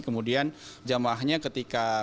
kemudian jamaahnya ketika